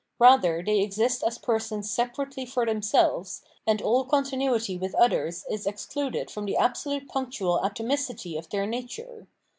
Bather they exist as persons separately for themselves, and all continuity with others is ex cluded from the absolute punctual atomicity of their nature.